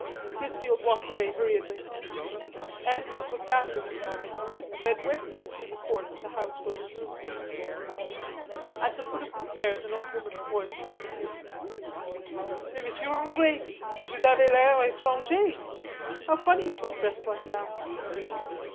Chrisfield walked away hurriedly. Andrews looked after him a moment, and then went in through the court to the house where his room was. At the foot of the stairs an old woman's voice startled him. "Mais, Monsieur Andre, que vous avez l'air etrange; how funny you look dressed like that."